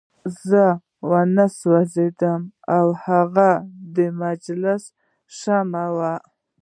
زه وانه سوځم او هغه د مجلس شمع وي.